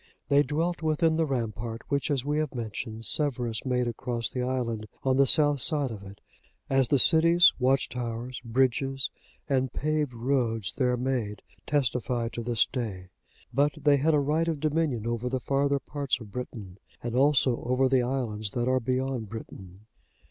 They dwelt within the rampart, which, as we have mentioned, Severus made across the island, on the south side of it, as the cities, watch towers,(73) bridges, and paved roads there made testify to this day; but they had a right of dominion over the farther parts of Britain, as also over the islands that are beyond Britain.